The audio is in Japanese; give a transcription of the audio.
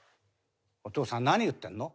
「お父さん何言ってんの？